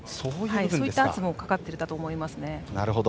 そういった圧もかかっているんだと思います。